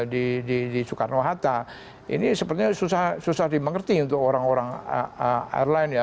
di soekarno hatta ini sepertinya susah susah dimengerti untuk orang orang airline ya